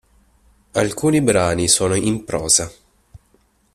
Alcuni brani sono in prosa.